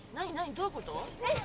どういうこと？